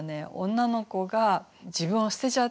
女の子が自分を捨てちゃったんですね。